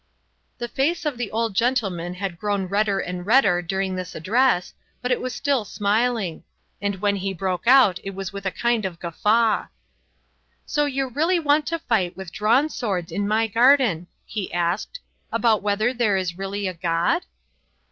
The face of the old gentleman had grown redder and redder during this address, but it was still smiling; and when he broke out it was with a kind of guffaw. "So you really want to fight with drawn swords in my garden," he asked, "about whether there is really a God?"